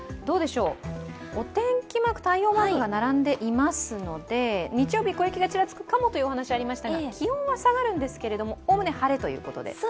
お天気マーク、太陽マークが並んでいますので日曜日、小雪がちらつくかもというお話がありましたが気温は下がるんですけれどもおおむね晴れということで。